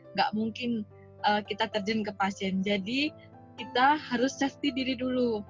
nggak mungkin kita terjun ke pasien jadi kita harus safety diri dulu